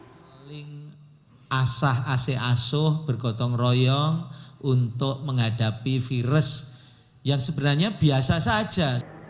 paling asah ac asuh bergotong royong untuk menghadapi virus yang sebenarnya biasa saja